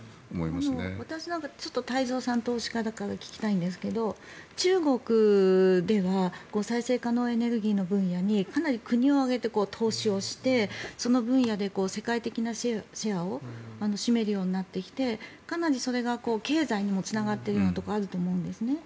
私なんか、太蔵さんは投資家だから聞きたいんですけど中国では再生可能エネルギーの分野にかなり国を挙げて投資をしてその分野で世界的なシェアを占めるようになってきてかなりそれが経済にもつながっているところがあると思うんですね。